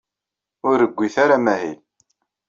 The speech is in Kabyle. Ur rewwit ara amahil.